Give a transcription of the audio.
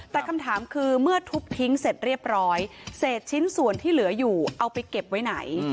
แต่คำถามคือเมื่อทุบทิ้งเสร็จเรียบร้อยเศษชิ้นส่วนที่เหลืออยู่เอาไปเก็บไว้ไหน